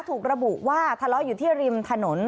ถูกระบุว่าทะเลาะอยู่ที่ริมถนน